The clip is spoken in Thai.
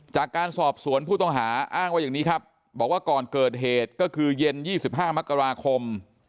จากการสอบสวนผู้ต้องหาอ้างว่าอย่างนี้ครับบอกว่าก่อนเกิดเหตุก็คือเย็น๒๕มกราคม